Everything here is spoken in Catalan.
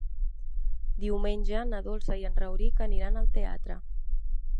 Diumenge na Dolça i en Rauric aniran al teatre.